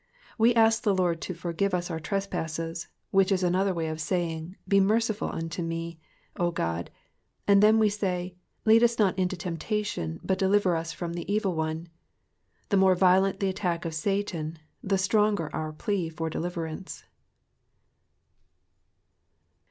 "We ask the Lord to forgive us •ur trespasses, which is another way of saying, Be merciful unto me, O God," and then we say, Lead us not into temptation, but deliver us from the evil one." The more violent the attack of Satan the stronger our plea for deliverance.